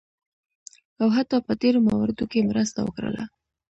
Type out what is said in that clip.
او حتی په ډیرو مواردو کې مرسته وکړله.